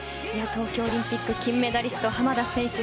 東京オリンピック金メダリスト濱田選手